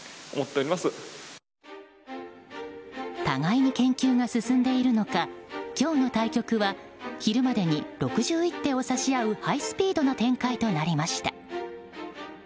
互いに研究が進んでいるのか今日の対局は昼までに６１手を指し合うハイスピードな展開となりました。